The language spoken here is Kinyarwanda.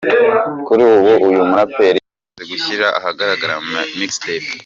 Kuri ubu uyu muraperi amaze gushyira ahagaragara mixtape.